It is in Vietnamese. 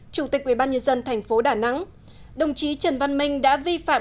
chủ tịch ủy ban nhân dân thành phố đà nẵng đồng chí trần văn minh đã vi phạm